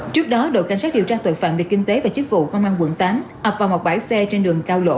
trước đó đội cảnh sát điều tra tội phạm về kinh tế và chức vụ công an quận tám ập vào một bãi xe trên đường cao lộ